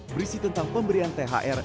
berisi tentang pemberian thr